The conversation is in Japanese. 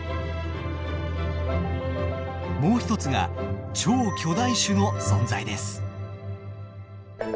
もう一つが超巨大種の存在です。